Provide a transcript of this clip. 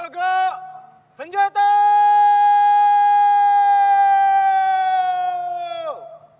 langkah negop maju